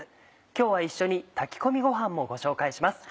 今日は一緒に炊き込みごはんもご紹介します。